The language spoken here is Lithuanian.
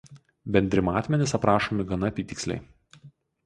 Bendri matmenys aprašomi gana apytiksliai.